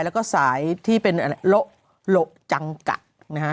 แล้วก็สายที่เป็นอะไรโละจังกะนะฮะ